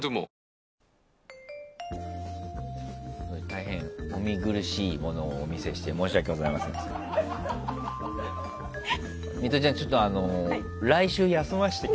大変お見苦しいものをお見せして申し訳ございませんでした。